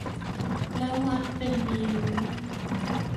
และวัดเป็นนิ้ว